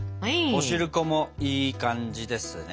おしるこもいい感じですね。